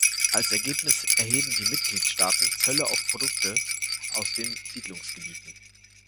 Als Ergebnis erheben die Mitgliedstaaten Zölle auf Produkte aus den Siedlungsgebieten.